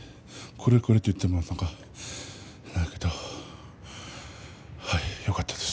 これこれと言ってもなんかはい、よかったです。